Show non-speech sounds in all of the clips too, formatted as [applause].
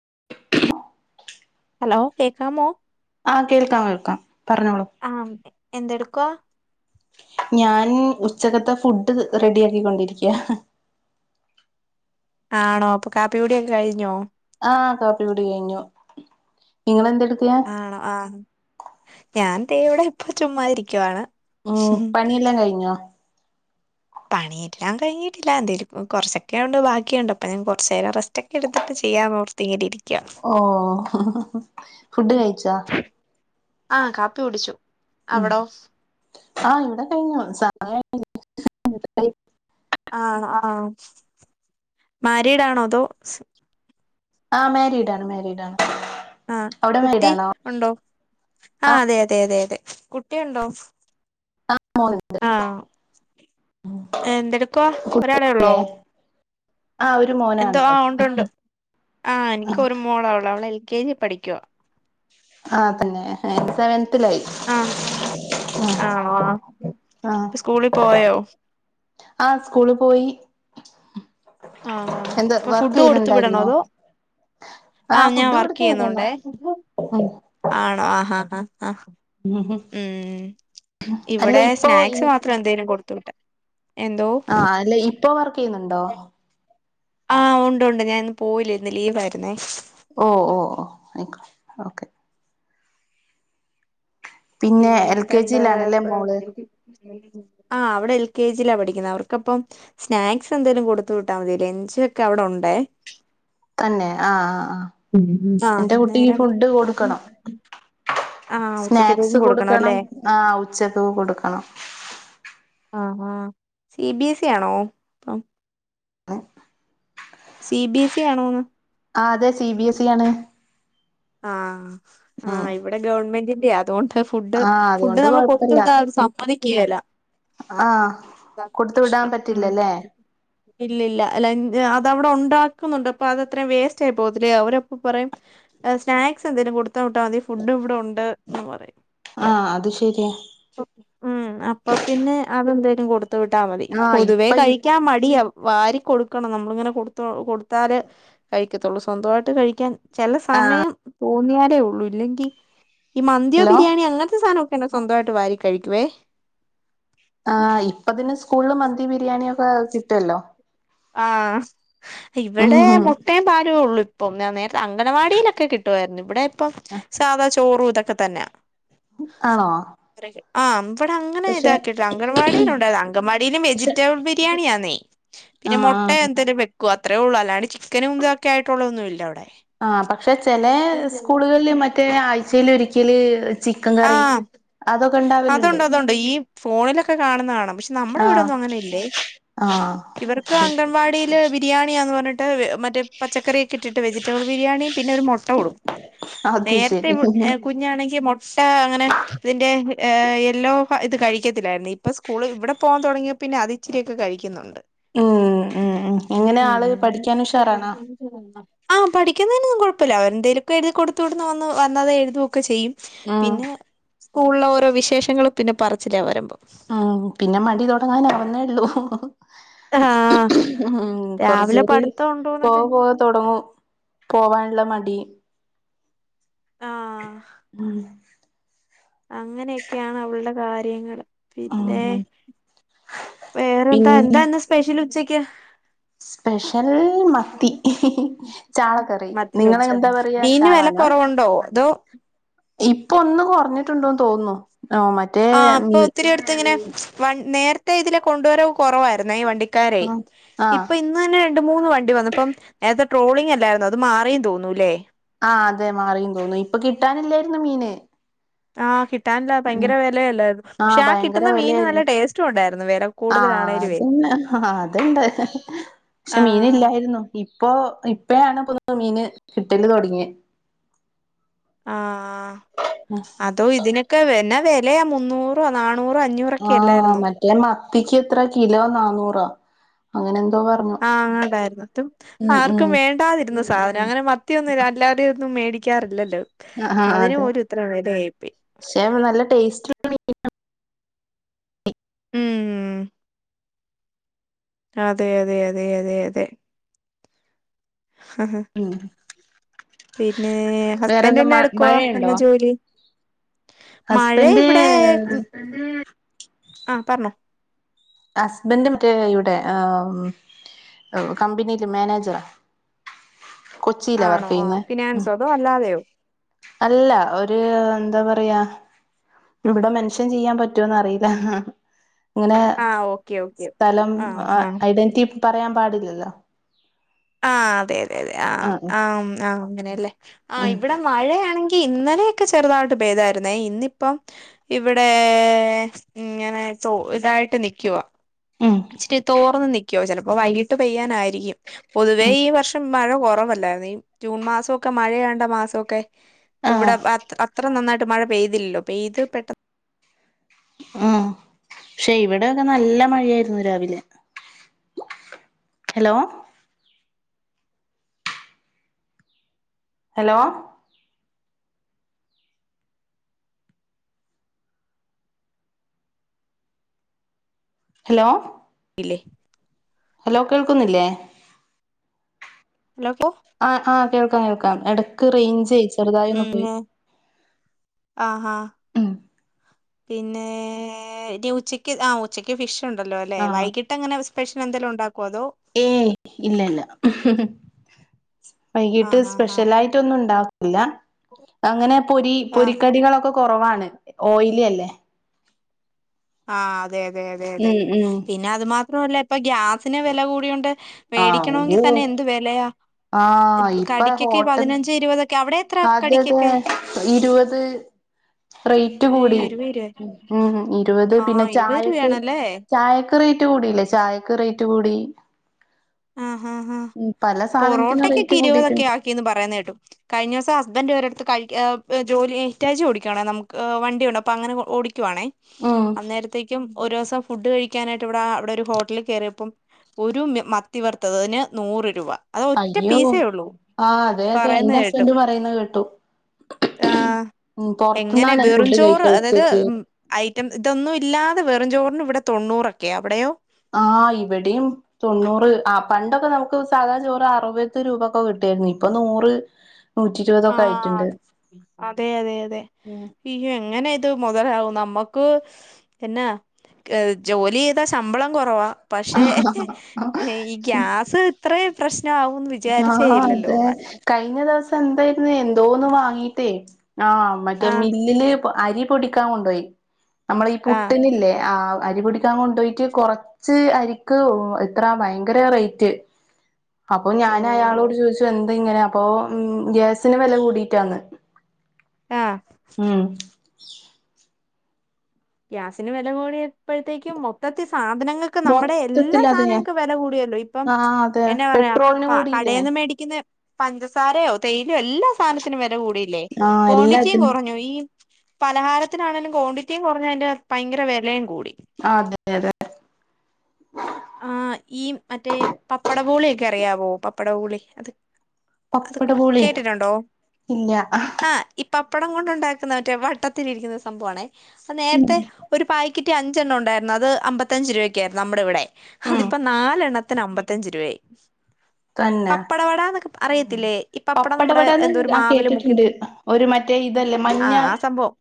[unintelligible] Hello കേക്കാമോ ആഹ് കേൾക്കാം കേൾക്കാം പറഞ്ഞോളൂ ആ എന്തെടുക്കുവാ ഞാൻ ഉച്ചകത്തെ ഫുഡ് റെഡി ആക്കിക്കൊണ്ടിരിക്കുവാ ആണോ അപ്പൊ കാപ്പികുടിയൊക്കെ കഴിഞ്ഞോ ആ കാപ്പികുടി കഴിഞ്ഞു നിങ്ങളെ ആണോ ആഹ് ഞാൻ ദേ ഇവിടെ ഇപ്പ ചുമ്മാതിരിക്കുവാണ് ഓ പണിയെല്ലാം കഴിഞ്ഞോ പണിയെല്ലാം കഴിഞ്ഞിട്ടില്ല എന്തേലും കുറച്ചൊക്കെയുണ്ട് ബാക്കിയുണ്ട് അപ്പം ഞാൻ കൊറച്ച് നേരം റെസ്റ്റൊക്കെ എടുത്തിട്ട് ചെയ്യാന്നോർത്ത് ഇങ്ങനിരി ഓ ഫുഡ് കഴിച്ചാ ആ കാപ്പി കുടിച്ചു അവടോ ആ ഇവിടെ കഴിഞ്ഞു ചായ [unintelligible] ആ ആ മാരീഡ് ആണോ അതോ ആ മ്യാരീഡാണ് മ്യാരീഡാണ് ആഹ കുട്ടി ഉണ്ടോ ആ അതെ അതെ അതെ അതെ കുട്ടിയുണ്ടോ മോന് ആ എന്തെടുക്കുവാ ഒരാളെ ഉള്ളോ കുട്ടിയില്ലേ ആഹ് ഒരു എന്തോ ആ മോനാണുള്ളത് ഉണ്ടൊണ്ട് ആ എനിക്ക് ഒരു മോളാ ഉള്ളൂ അവള് എൽ കെ ജി പഠിക്കുവാ ആ തന്നെ എനിക്കും [unintelligible] ആ ആ സ്കൂളിൽ പോയോ ആ സ്കൂളി പോയി ആ ഹ എന്താ അപ്പൊ വർക്ക് ഫുഡ് കൊടുത്ത വിടണോ ചെയ്യുന്നുണ്ടായിരുന്നോ അതോ ആ ആഹ് ഞാൻ ഫുഡ് വർക്ക് കൊടുത്ത് വിടണം ചെയ്യുന്നുണ്ടേ ഉം ആണോ ആഹാ ഹാ ആ ഉം അല്ല ഇവിടെ ഇപ്പൊ സ്നാക്സ് മാത്രം എന്തേലും കൊടു [unintelligible] ആഹ അല്ല ഇപ്പൊ വർ ക്ക് ചെയ്യുന്നുണ്ടോ ആഹ് ഉണ്ട് ഉണ്ട് ഞാൻ ഇന്ന് പോയില്ല ഇന്ന് ലീവ് ആയിരുന്നേ ഓ ഓ ഓ ആയിക്കോ ഓക്കെ പിന്നെ എൽ കെ പിന്നെന്തുണ്ട് ജിയിലാണല്ലേ മോള് [unintelligible] ആ അവള് എൽ കെ ജിലാ പഠിക്കുന്നത് അവർക്കപ്പം കെ ജി ലാ പഠിക്കുന്നേ അവർക്കപ്പം സ്നാക്സ് എന്തെങ്കിലും കൊടുത്ത് വിട്ടാ മതി ലഞ്ച് ഒക്കെ അവിടെ ഉണ്ടേ തന്നെ ആഹ് ആ ആഹ് എന്റെ കുട്ടിക് അന്നേരം ഫുഡ് അതും കൊടുക്കണം ആഹ് സ്നാക്സ് ഉച്ചക്കത്തേക്കും കൊടുക്കണം അല്ലേ ആ ഉച്ചക്ക് കൊടുക്കണം ആഹ് സി ബിഎസി ആണോ അപ്പം സി ബിഎസ് ഇ ആണോന്ന് ആ അതെ സി ബി എസി ഇ ആണ് ആ ആ ഉം ഇവിടെ ഗവൺമെന്റി ൻ്റെയാ അതൊ അ ഫുഡ് ആഹ് ഫുഡ് അതുകൊണ്ട് നമ്മള് കൊടുത്തു കൊഴപ്പില്ല വിട്ടാ സമ്മതിക്കുകേല്ല ആഹ് അതാ കൊടുത്തു വിടാൻ പ്രശ്നം പറ്റില്ലല്ലേ ഇല്ലല്ല അല്ല ലൻ അതവിടെ ഉണ്ടാക്കുന്നുണ്ട് അപ്പൊ അതത്രയും വേസ്റ്റ് ആയി പോവത്തില്ലേ അവരപ്പൊ പറയും സ്നാക്സ് എന്തേലും കൊടുത്ത് വിട്ടാൽ മതി ഫുഡ് ഇവിടെ ഉണ്ട് എന്ന് പറയും ആഹ് അത് ശരിയാ ഊം അപ്പ പിന്നെ അതെന്തെ കൊടു ത്ത് വിട്ടാൽ മതി ആഹ് പൊതുവേ ഇപ്പ ഈ കഴിക്കാൻ മടിയാ വാരി കൊടുക്കണം നമ്മ മ്മള്ങ്ങനെ കൊടുത്തോ കൊടുത്താലേ കഴിക്കത്തൊള്ളൂ സ്വന്തമായിട്ട് കഴിക്കാൻ സമയം തോന്നിയാൽ ലേ ഉള്ളൂ ഇല്ലെങ്കി ഈ മന്തിയോ ഹലോ ബിരിയാണിയോ അങ്ങനത്തെ സാധന പിന്നെ സ്വന്തമായിട്ട് വാരി കഴിക്കുവേ ആ ഇപ്പതിന് സ്കൂളില് മന്തി ബിരിയാണി ഒക്കെ കിട്ടല്ലോ ആഹ് ഇവിടെ ഉം മുട്ടയും പാലു ഉള്ളു ഇപ്പം നെ നേരത്തെ അംഗണവാടിയിലൊക്കെ കിട്ടുവായിരുന്നു ഇവിടെ ഇപ്പം സാദാ ചോറു ഇത ക്കെ തന്നാ ആണോ ആം ഇവിടെ അങ്ങനെ പക്ഷെ ഇതാക്കിയിട്ടുള്ള അങ്കൻവാടിയില ഉണ്ടായിരുന്നു അങ്കൻവാടിയിലും പക്ഷെ വെജിറ്റബിൾ ബിരിയാണിയാന്നേ പിന്നെ ആഹ് മുട്ടയോ ആഹ് എന്തേലും വെക്കും അ ത്രേ ഉള്ളൂ അല്ലണ്ട് ചിക്കനും ഇതൊക്കെ ആയിട്ടുള്ള തൊന്നും ഇല്ല അവിടെ ആഹ് പക്ഷെ ചെലേ സ്കൂളുകളിൽ മറ്റേ [unintelligible] ഴ്ച്ചയിൽ ഒരിക്കല് ആഹ് അതുണ്ട് അതുണ്ട് ഈ ഫോണിലൊക്കെ കാണുന്ന കാണാം പക്ഷെ നമ്മുടെ ആഹ് ഇവിടൊന്നും അങ്ങനെ ഇല്ലേ ആഹ് ഇവർക്ക് അംഗൻവാടിയില് ബി രിയാണിയാന്ന് പറഞ്ഞിട്ട് മറ്റേ പച്ചക്കറി ഇട്ടിട്ടു വെജിറ്റബിൾ ബിരിയാണിം പിന്നെ ഒരു മുട്ട കൊടുക്കും അത് നേരത്തെ ശരി കുഞ്ഞാണെങ്കി മൊ അങ്ങനെ ഇതിന്റെ യെല്ലോ ഇത് കഴിക്കത്തില്ലായിരുന്നു ഇപ്പ സ്കൂൾ ഇവടെ പോകാൻ തൊടങ്ങിയ പിന്നെ അതിച്ചിരിയൊക്കെ കഴിക്കുന്നുണ്ട് ഉം ഉം ഉം എങ്ങനെ ആള് ഉം പഠിക്കാൻ ഉഷാറാണോ ആ പഠിക്കുന്നതിനൊന്നും കൊഴപ്പല്ല അവരെന്തേലൊക്കെ എഴുതി കൊടുത്ത് വിടുന്ന വന്ന് വന്നത് എഴുതൊക്കെ ചെയ്യും ഉം പിന്നെ സ്കൂളിലെ ഓരോ വിശേഷങ്ങളും പിന്നെ പറച്ചിലാ വരുമ്പോ ഉം പിന്നെ മടി തൊടങ്ങാനാവുന്നേള്ളൂ ആഹ് ഉം രാവിലെ കൊറ്ച്ചൂടിം പഠിത്തം ഉണ്ടോന്നൊക്കെ പോകെ പോകെ തൊടങ്ങും പോവാനുള്ള മടി ഉം അങ്ങനെക്കെണ് അവളുടെ കാര്യങ്ങള് പിന്നെ ഉം വേറെന്താ പിന്നെ എന്താ ഇന്ന് സ്പെഷ്യല് ഉച്ച [unintelligible] സ്പെഷ്യൽ മത്തി ചാളക്കറി മത്തി നിങ്ങള യ്ന് പൊരിച്ചോ എന്താ പറ്യാ മീന് വില ചാളാന്നാ കുറവുണ്ടോ അതോ ഇപ്പൊ ഒന്ന് കൊർഞ്ഞിട്ടുണ്ടോന്ന് തോന്നുന്നു. ആഹ് മറ്റേ ആ ഇപ്പൊ മി ഒത്തിരി അടുത്ത് ഇങ്ങനെ വ നേരത്തെ ഇതിലേ കൊണ്ടോരവ് കൊറവായിരുന്നേ ഈ വണ്ടി ക്കാരേ ആഹ് ആഹ് ഇപ്പൊ ഇന്നന്നെ രണ്ട് മൂന്ന് വണ്ടി വന്നു പ്പം നേര ട്രോളിംഗ് അല്ലായിരുന്നോ അത് മാറിന്ന് തോന്നു ല്ലേ ആഹ് അതെ മാറിന്ന് തോന്നുന്നു ഇപ്പൊ കിട്ടാനില്ലായിരുന്നു മീന് ആഹ് കി ഉം ആഹ് ഭയങ്കര കിട്ടുന്ന മീന് നല്ല വെലയായിരുന്നു ടേസ്റ്റും ഉണ്ടായിരുന്നു വെല ആഹ് കൂടുതലാണേലുവേ അതെന്നെ ആ അത്ണ്ട് ക്ഷെ ആഹ് മീനില്ലായിരുന്നു ഇ പ്പൊ ഇപ്പളാണ് ഇപ്പൊ [unintelligible] മീന് കിട്ടല് തൊടങ്ങ്യേ ആ ആ അതോ ഇതിനൊക്കെ വെ എന്നാ വെ ലയാ മുന്നൂറോ നാ ആ മറ്റേ മത്തിക്ക് എത്ര കിലോ നാനൂറാ അങ്ങനെ പറഞ്ഞു ആ അങ്ങനുണ്ടായിരുന്നു എന്നിട്ടും ഉം ഉം ആർക്കും വേണ്ടാതിരുന്ന സാ ധനാ അങ്ങനെ മ ത്തിയൊന്നുമില്ല അല്ലാതെയും ഒന്നും മേടിക്കാറില്ലല്ലോ ആ ആ അതിനും അതെ പോലും ഇത്ര വെലയായിപ്പോയി പക്ഷെ നല്ല ടേസ്റ്റ് [unintelligible] ഉം അതെ അതെ അതെ അതെ അതെ ഉം പിന്നെ ഹസ്ബൻഡ് വേറെന്താ എന്നാടുക്കുവാ മഴയുണ്ടോ എന്നാ ജോലി മഴ ഇവിടെ ഹസ്ബൻഡ് ആ പറഞ്ഞോ ഹസ്ബൻഡ്‌ മറ്റേ ഇവിടെ കമ്പനിയില് മാനേജരാ ആണോ ആ ഫിനാൻസോ അതോ അല്ലാതെയോ? അല്ല. ഒരു എന്താ പറയാ ഇവിടെ മെൻഷൻ ചെയ്യാൻ പറ്റുമോന്ന് അറിയില്ല ആഹാ ഇങ്ങനെ ആ ഓക്കെ ഓക്കെ സ്ഥലം ആ ആ ഐഡന്റിറ്റി പറയാൻ പാടില്ലൽ ല്ലാ. ആ അതെ അതെ. തെ ആ ആം ആഹ് അങ്ങനെയല്ലേ. ആ ഉം ഇവിടെ മഴയാണെങ്കി ങ്കി ഇന്നലെയൊക്കെ ചെറുതായിട്ട് പെയ്തായിരുന്നേ. ഇന്നിപ്പം ഇവിടേ ഇങ്ങനെ തോ ഇതായിട്ട് നിക്കുവാ ഉം ഇച്ചിരി തോർന്നു നിക് യോ ചെലപ്പം വൈകിട്ട് പെയ്യാനാ യിരിക്കും. പൊതുവേ ഈ വർഷം മഴ കുറവല്ലായിരുന്നു. ഈ ജൂൺ മാസമൊക്കെ മഴയേണ്ട മാസമൊ ക്കെ ആഹ് ഇവിടെ അത്ര നന്നായി ട്ട് മഴ പെയ്തിൽല്ലോ. പെയ്ത് പെട്ടെ ന്ന് ആ പക്ഷെ ഇവിടെയൊക്കെ നല്ല മഴയായിരുന്നു രാവിലെ. ഹലോ ഹലോ ഹലോ [unintelligible] ഹലോ കേൾക്കുന്നില്ലേ ഹലോ [unintelligible] ആ ആ കേൾക്കാം കേൾക്കാം. എടക്ക് റേഞ്ചേ ചെറുതായി ഒന്ന് ഉം പോയി. ഉം പിന്നേ [unintelligible] ഉച്ചക്ക് ആ ഉച്ചക്ക് ഫിഷ് ഉണ്ടല്ലോല്ലെ. ആഹ് വൈകിട്ട് അങ്ങനെ സ്പെഷ്യൽ എന്തേലും ഉണ്ടാ ഏയ് ഇല്ലല്ല. വൈകീട്ട് ആഹ് ആഹ് ആഹ് സ്പെഷ്യൽ ആയിട്ടൊന്നും ഉണ്ടാ എന്നാ അങ്ങനെ പൊരി ആഹ് പൊരിക്കടികളൊക്കെ കുറവാണ് ഓയിലി അല്ലേ ആഹ് അ അതെ അതെ അതെ അതെ ഉം ഉം പിന്നെ അത് മാത്ര ത്രല്ല ഇപ്പൊ ഗ്യാസിന് വെല കൂടിയോണ്ട് ആഹ് മേടിക്കണമെങ്കി ഒരു തന്നെ എന്ത് വെലയാ ആഹ് ഇപ്പൊ കടിക്കൊക്കെ ഹോട്ടൽ പതിനഞ്ച് ഇരുപതൊ അതെ അതെ ഇരുപത് റേറ്റ് അയ്യോ കൂടി ഇരുപത് രൂപ മ്മ് ഇരുപത് ആ ത് പിന്നെ ഇരുപത് ചായക്ക് രൂപയാണല്ലേ ചായക്ക് റേറ്റ് കൂടിലെ ചായക്ക് റേ റ്റുകൂടി ആ ആ ആ പൊറോട്ടക്കൊക്കെ റേറ്റ് ഇരുപതൊക്കെ കൂടിയിട്ടുണ്ട് ആക്കിന്ന് പറയന്ന കേട്ടു കഴിഞ്ഞ ദിവസം ഹസ്ബന്റ് ഒരടുത്ത് കഴി ജോലി ഹിറ്റാച്ചി ഓടിക്കുവാണേ നമുക്ക് വണ്ടി ഉണ്ട് അപ്പോ അങ്ങനെ ഓടിക്ക ക്കുവാണേ ഉം അന്നേരത്തേക്കും ഓരോ ഫുഡ് കഴിക്കാനായിട്ട് ഇവിടെ അവിടെ ഒരു ഹോട്ടലിൽ കയറിയപ്പം ഒരു മത്ത ത്തിവർത്തതിന് നൂറ് രൂപ അത് ഒറ്റ അയ്യോ പീസേ ഉള്ളൂ ആഹ് അതെ അതെ പറയുന്ന എന്റെ കേട്ടു ഹസ്ബൻഡ് പറയുന്ന കേട്ടു ആഹ് ഉം എങ്ങനെ പൊറത്തുന്നാണ് ഫുഡ് കഴിക്ക വെറുംചോറ് അതായത് ഉച്ചക്ക് ഐറ്റം ഇതൊന്നും ഇല്ലാ വെറുംചോറിന് ഇവിടെ തൊണ്ണൂറൊക്കെയാ അവിടെയോ ആഹ് ഇവിടെയും തൊണ്ണൂറ് ആ പണ്ടൊക്കെ നമുക്ക് സാധാ ചോറ് അറുപത് രൂപക്കൊക്കെ കിട്ടിയിരുന്നു ഇപ്പൊ നൂറ് നൂറ്റി ആ ഇരുപതൊക്കെ ആയിട്ടുണ്ട് അതെ അതെ അതെ ഉം ഇയ്യെങ്ങനെ ഇത് മുതലാവും നമ്മുക്ക് പിന്നാ ഏ ജോലി ചെയ്താ ശമ്പളം കുറവാ പക്ഷെ ഈ ഗ്യാസ് ത്ര പ്രശ് ആഹ് അതെ കഴിഞ്ഞ ദിവസം എന്തായ എന്തോന്ന് വാങ്ങീട്ടേ ആഹ് മറ്റേ ആഹ് മില്ലില് അരി പൊടിക്കാൻ കൊണ്ടോയി നമ്മളെ ഈ ആഹ് പുട്ടിനില്ലേ ആ അരി പൊടിക്കാൻ കൊണ്ടോയിറ്റ് കുറച്ച് അരിക്ക് എത്ര ഭയങ്കര റേറ്റ് പ്പൊ ഓ ഞാൻ അയാളോട് ചോദിച്ചു എന്ത് ഇങ്ങനെ അപ്പൊ ഉം ഗ്യാസിന് വെല കൂടീട്ടാന്ന് ആഹ് ഉം ഗ്യാസിന് വെല കൂടിയ പ്പഴത്തേക്കും മൊത്തത്തി സാധനങ്ങൾക്ക് നമ്മുടെ എല്ലാ മൊത്തത്തിൽ അതെയ സാധനങ്ങൾക്ക് വെല കൂടിയല്ലോ ഇപ്പം ആഹ് അതെ എന്നാ പറയാ പെട്രോളിന് കൂടിയില്ലേ കടയിൽന്ന് മേടിക്കുന്ന പഞ്ചസാരയോ തേയിലും എല്ലാ സാധത്തിനും വെ [unintelligible] കൂടീല്ലേ ആഹ് ക്വാണ്ടിറ്റിയും എല്ലാത്തിനും കുറഞ്ഞു ഈ പലഹാരത്തിനാണേലും ക്വാണ്ടിറ്റിയും കൊ പിന്നാ അതിന്റെ ഭയങ്കര വെലയും കൂട് ആ അതെ അതെ ആ ഈ മറ്റേ പപ്പട പോളിയൊക്കെ അറിയാവോ പപ്പട പൊളി അത് അത് പപ്പട പോളിയാ കേട്ടിട്ടുണ്ടോ ഇല്ല ആഹ് ഈ പപ്പടം കൊണ്ടുണ്ടാക്കുന്ന മറ്റേ വട്ടത്തിലിരിക്കുന്ന സംഭവാണെ ആഹ് ഉം നേർത്തെ ഒരു പായ പാക്കിറ്റി അഞ്ചെണ്ണം ഉണ്ടായിരുന്നു അത് അമ്പത്തഞ്ച് രൂപയ്ക്കായിരുന്നു നമ്മടെ ഇവടെ. ഉം അതിപ്പ നാലെണ്ണത് ത്തിന് അമ്പത്തഞ്ച് രൂവയായി തന്നെ പപ്പട വടാന്നൊക്കെ അറിയത്ത് പപ്പടവടാന്ന് ആ മുക്കി കേട്ടിട്ടിണ്ട് ഒരു മറ്റേ ഇതല്ലേ മഞ്ഞ ആഹ് ആ സംഭവം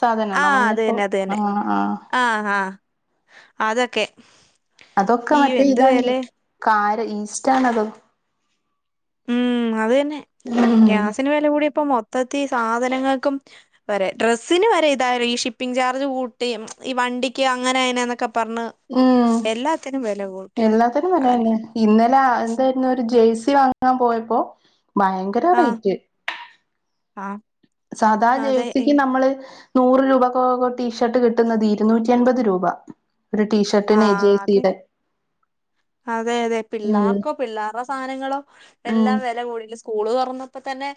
സാധനാണോ ആഹ് അത് മഞ്ഞപ്പൂ തന്നെ അത് തന്നെ ആഹ് ആഹ് ആഹ് ആഹ് അതൊക്കെ ഈ എന്ത് വെലേ ആര് ഈസ്റ്റാണ് തോ ഉം അത് തന്നെ ഉം ഗ്യാസിന് വെല കൂടിയ പ്പൊ മൊത്തത്തി സാധനങ്ങൾക്കും വെരെ ഡ്രസ്സിന് വെരെ ഇതായ് ഈ ഷിപ്പിംഗ് ചാർജ് കൂട്ടീം ഈ വണ്ടിക്ക് അങ്ങനെ അയിനാന്നൊക്കെ ഉം കൂട്ടി എല്ലാത്തിനും വെല കളഞ്ഞു തന്നെ ഇന്നലെ അ എന്തായിരുന്നു ഒരു ജയ്സ- നസി വാങ്ങാ പോയപ്പോ ഭയങ്കര ആ റേറ്റ് ആ സാധാ അതെ എ- ജേഴ്സിക്ക് നമ്മള് നൂറ് രൂപകൊക് ടീഷർട്ട് കിട്ടുന്നത് ഇരുന്നൂറ്റി എൺപത് രൂപ ഒരു ആ ടീഷർട്ടിന് അതെ ജേഴ്സിയുടെ അതെ അതെ ഉം പിള്ളേർക്കോ പിള്ളേർടെ സാനങ്ങളോ ഉം എല്ലാം വെല കൂടുതല് സ്കൂള് തൊറന്നപ്പോ തന്നെ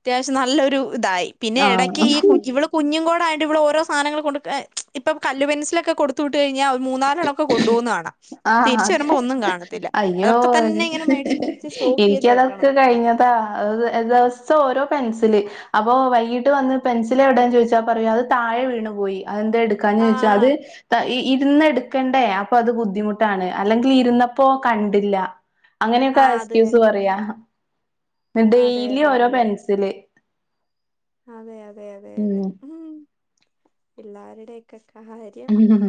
അത്യാവശ്യം നല്ലൊരു ഇതായി പിന്നെ എടയ്ക്ക് ആഹ് ഈ ഇവള് കുഞ്ഞും കൂടെ ആയൊ ഇവള് ഓരോ സാനങ്ങള് കൊട്ക് അ ഇപ്പ കല്ല് പെൻസിലൊക്കെ കൊടുത്ത് വിട്ട് കഴിഞ്ഞാ ഒ ആ തിരിച്ചു അതെ വരുമ്പോ ഒന്നും കാണത്തില്ല അയ്യോ അതൊക്കെ തന്നെ ഇങ്ങനെ മേടിച്ച് മേടിച്ച് സ്റ്റോക്ക് എനിക്ക് ചെയ്ത് വെക്കണം അതൊക്കെ കഴിഞ്ഞതാ [unintelligible] ദെവസം ഓരോ പെൻസില് അപ്പൊ വൈകീട്ട് വന്ന് പെൻസില് എവിടെ എന്ന് ചോദിച്ചാ പറയും അത് താഴെ വീണു പോയി അത് എന്തേ എടുക്കാഞ്ഞേ ചോയിച്ചാ ആഹ് അത് ഈ ഇരുന്ന് എടുക്കണ്ടേ അപ്പൊ അത് ബുദ്ധിമുട്ടാണ് അല്ലെങ്കി ഇരുന്നപ്പോ കണ്ടില്ല അങ്ങനെയൊക്കെ ആഹ് അത് എക്സ്ക്യൂസ് തന്നെ പറയാ അതെ ഡെയിലി അതെ ഓരോ പെൻസില് അതെ അതെ അതെ അതെ അതെ ഉം എല്ലാവരുടെ ഒക്കെ കാര്യം ഉം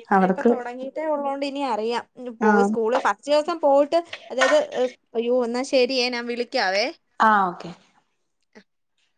ഇവിടെ ഇപ്പ അവർക്ക് തൊടങ്ങിട്ടേ ഉള്ളോണ്ട് ഇനി അറിയാം പോയ് ആഹ് സ്കൂളി ഫസ്റ്റ് ദിവസം പോയി ട്ട് അതായത് അയ്യോ എന്നാ ശരി ഞാൻ വിളി ആ ഓക്കെ ആ